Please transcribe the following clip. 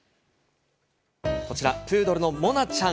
こちらプードルの、もなちゃん。